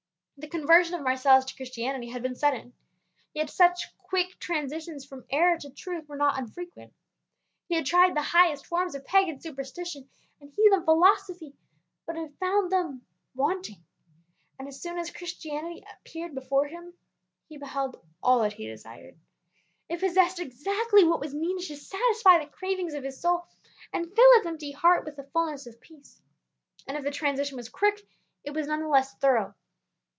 The conversion of Marcellus to Christianity had been sudden. Yet such quick transitions from error to truth were not unfrequent. He had tried the highest forms of Pagan superstition and heathen philosophy but had found them wanting, and as soon as Christianity appeared before him he beheld all that he desired. It possessed exactly what was needed to satisfy the cravings of his soul and fill his empty heart with the fullness of peace. And if the transition was quick, it was none the less thorough.